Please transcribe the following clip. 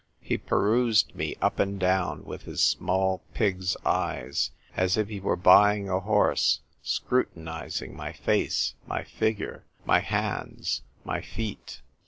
He perused me up and down with his small pig's eyes, as if he were buying a horse, scru tinising my face, my figure, my hands, my feet.